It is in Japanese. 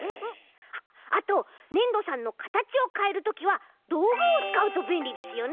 あとねんどさんのかたちをかえるときはどうぐをつかうとべんりですよね！